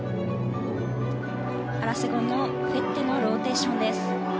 アラセゴンドのフェッテのローテーションです。